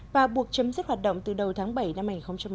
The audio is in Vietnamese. và buộc chấm dứt hoạt động từ đầu tháng bảy năm hai nghìn một mươi tám